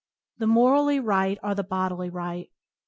The morally right are the bodily right.